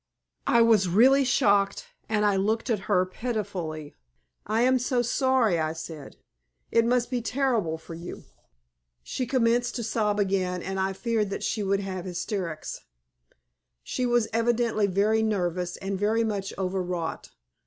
I was really shocked, and I looked at her pitifully. "I am so sorry," I said. "It must be terrible for you." She commenced to sob again, and I feared she would have hysterics. She was evidently very nervous, and very much overwrought.